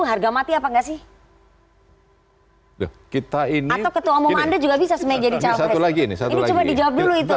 kenapa enggak sih kita ini ketua umum anda juga bisa semuanya jadi cowok pres ini satu lagi ini